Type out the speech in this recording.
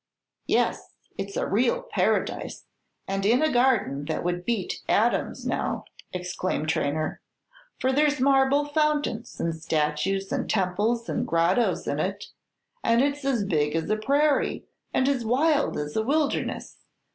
"Yes, it's a real paradise, and in a garden that would beat Adam's now," exclaimed Traynor; "for there's marble fountains, and statues, and temples, and grottos in it; and it's as big as a prairie, and as wild as a wilderness.